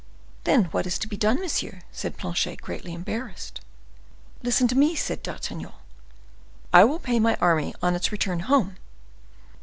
"Then what is to be done, monsieur?" said Planchet, greatly embarrassed. "Listen to me," said D'Artagnan. "I will pay my army on its return home.